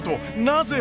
なぜ？